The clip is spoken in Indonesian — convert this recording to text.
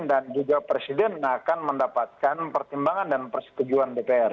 dan juga presiden akan mendapatkan pertimbangan dan persetujuan dpr